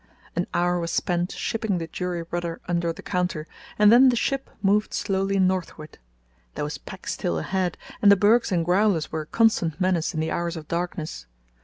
An hour was spent shipping the jury rudder under the counter, and then the ship moved slowly northward. There was pack still ahead, and the bergs and growlers were a constant menace in the hours of darkness.